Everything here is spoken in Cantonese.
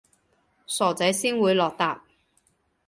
傻仔先會落疊